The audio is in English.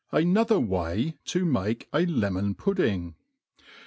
Another Wny to make a Lemon Pudding.